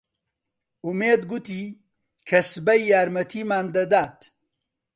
ئومێد گوتی کە سبەی یارمەتیمان دەدات.